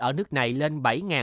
ở nước này lên bảy bốn mươi năm